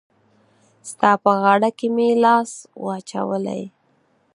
ستا په غاړه کي مي لاس وو اچولی